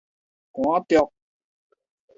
趕逐